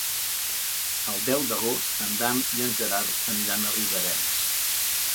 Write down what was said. El deu d'agost en Dan i en Gerard aniran a Riudarenes.